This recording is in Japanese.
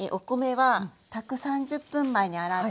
はい。